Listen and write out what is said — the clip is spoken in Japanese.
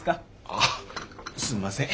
あっすんません。